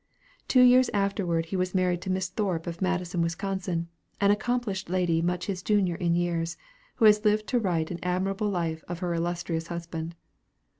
Two years afterward he was married to Miss Thorp of Madison, Wis., an accomplished lady much his junior in years, who has lived to write an admirable life of her illustrious husband.